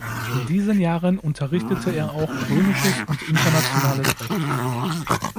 In diesen Jahren unterrichtete er auch Römisches und Internationales Recht.